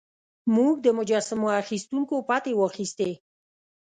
موږ د مجسمو اخیستونکو پتې واخیستې.